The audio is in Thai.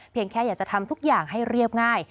แค่อยากจะทำทุกอย่างให้เรียบง่าย